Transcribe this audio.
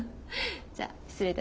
じゃあ失礼いたします。